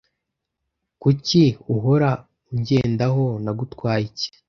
Kuki uhora ungendaho nagutwaye iki